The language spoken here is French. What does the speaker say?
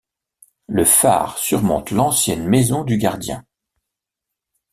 Le phare surmonte l'ancienne maison du gardien.